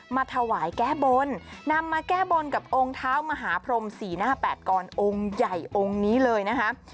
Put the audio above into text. มาถวายแก้บนนำมาแก้บนกับองค์เท้ามหาพรมสี่หน้าแปดกรองค์ใหญ่องค์นี้เลยนะคะ